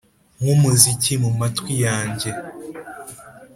nkumuziki mumatwi yanjye